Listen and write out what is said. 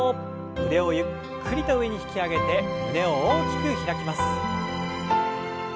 腕をゆっくりと上に引き上げて胸を大きく開きます。